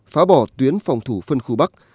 phá bỏ tuyến phòng thủ phân khu bắc